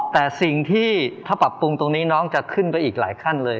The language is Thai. แต่สิ่งที่ถ้าปรับปรุงตรงนี้น้องจะขึ้นไปอีกหลายขั้นเลย